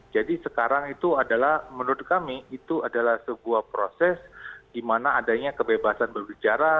jadi sekarang itu adalah menurut kami itu adalah sebuah proses di mana adanya kebebasan berbicara